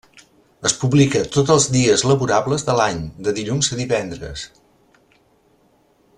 Es publica tots els dies laborables de l'any, de dilluns a divendres.